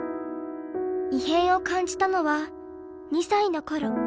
異変を感じたのは２歳の頃。